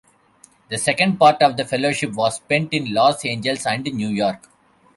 The second part of the Fellowship was spent in Los Angeles and New York.